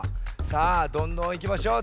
さあどんどんいきましょう！